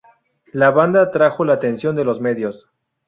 La banda atrajo la atención de los medios.